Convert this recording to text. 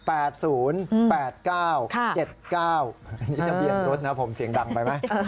อันนี้ทะเบียนรถนะผมเสียงดังไปไหม